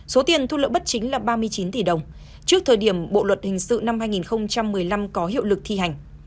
số tiền thu lợi bất chính là ba mươi chín tỷ đồng trước thời điểm bộ luật hình sự năm hai nghìn một mươi năm có hiệu lực thi hành